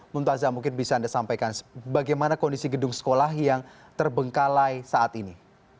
mumtazah mungkin bisa anda sampaikan bagaimana kondisi gedung sekolah yang terbengkalai saat ini